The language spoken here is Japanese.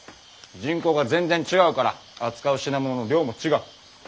人口が全然違うから扱う品物の量も違う。